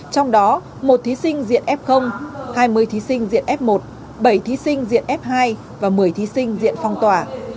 trong đó một thí sinh diện f hai mươi thí sinh diện f một bảy thí sinh diện f hai và một mươi thí sinh diện phong tỏa